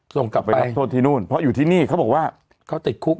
ส่งกลับไปรับโทษที่นู่นเพราะอยู่ที่นี่เขาบอกว่าเขาติดคุก